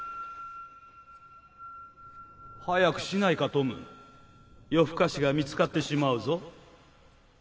早くしないかトム夜更かしが見つかってしまうぞ